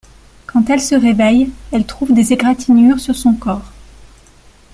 Quand elle se réveille, elle trouve des égratignures sur son corps.